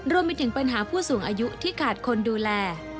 รวมไปถึงปัญหาผู้สูงอายุที่ขาดคนดูแล